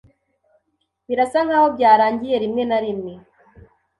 Birasa nkaho byarangiye rimwe na rimwe.